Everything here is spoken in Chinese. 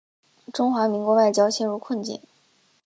中华民国外交陷入困境。